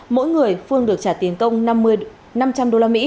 mỗi người phương được trả tiền công năm trăm linh usd